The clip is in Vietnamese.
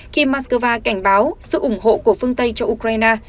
khi moscow cảnh báo sự ủng hộ của phương tây cho ukraine